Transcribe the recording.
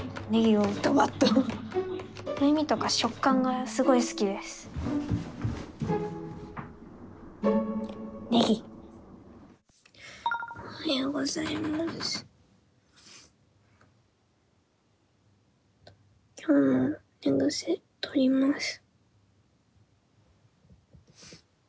おはようございます。